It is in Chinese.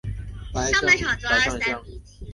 白川乡是指岐阜县内的庄川流域。